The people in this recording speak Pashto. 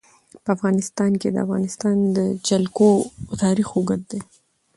په افغانستان کې د د افغانستان جلکو تاریخ اوږد دی.